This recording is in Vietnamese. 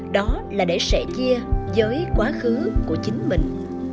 đó là để sẻ chia với quá khứ của chính mình